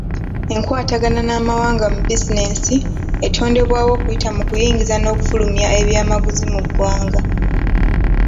Enkwatagana n'amawanga mu bizinensi etondebwawo okuyita mu kuyingiza n'okufulumya ebyamaguzi mu ggwanga.